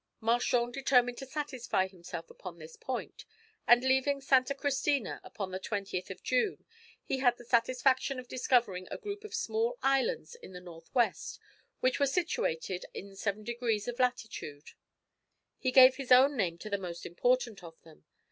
Marchand determined to satisfy himself upon this point, and leaving Santa Cristina upon the 20th of June, he had the satisfaction of discovering a group of small islands in the north west, which were situated in 7 degrees south latitude. He gave his own name to the most important of them.